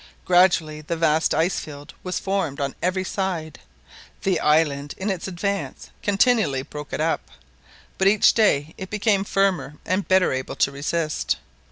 Gradually the vast ice field was formed on every side, the island in its advance continually broke it up, but each day it became firmer and better able to resist.